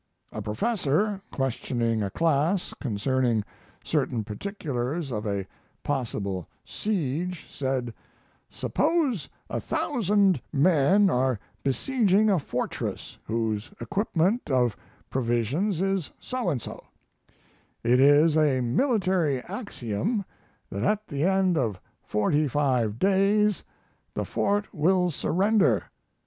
A professor questioning a class concerning certain particulars of a possible siege said, 'Suppose a thousand men are besieging a fortress whose equipment of provisions is so and so; it is a military axiom that at the end of forty five days the fort will surrender.